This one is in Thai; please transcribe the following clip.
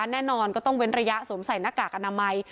แน่นอนก็ต้องเว้นระยะสวมใส่หน้ากากอนามัย